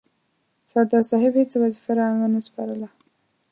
سردار صاحب هیڅ وظیفه را ونه سپارله.